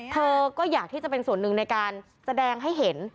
เธอก็อยากที่จะเป็นส่วนหนึ่งในการแสดงให้เห็น